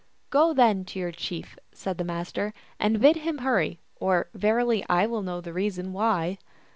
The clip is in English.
" Go then to your chief," said the Master, " and bid him hurry, or, verily, I will know the reason why."